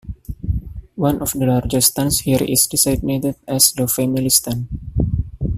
One of the larger stands here is designated as the family stand.